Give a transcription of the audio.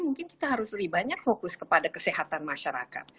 mungkin kita harus lebih banyak fokus kepada kesehatan masyarakat